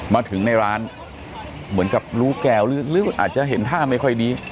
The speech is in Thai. มาถึงในร้านเหมือนกับรู้แก้วหรืออาจจะเห็นท่าไม่ค่อยดี